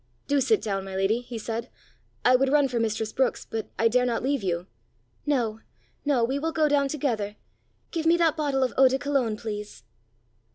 "Do sit down, my lady!" he said. "I would run for mistress Brookes, but I dare not leave you." "No, no; we will go down together! Give me that bottle of eau de Cologne, please."